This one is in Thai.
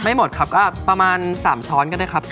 ไม่หมดครับก็ประมาณ๓ช้อนก็ได้ครับ